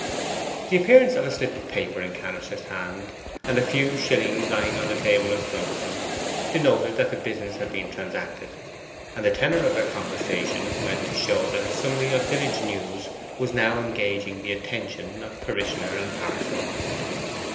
The appearance of a slip of paper in Cannister's hand, and a few shillings lying on the table in front of him, denoted that the business had been transacted, and the tenor of their conversation went to show that a summary of village news was now engaging the attention of parishioner and parson.